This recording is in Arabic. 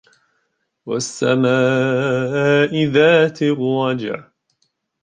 والسماء ذات الرجع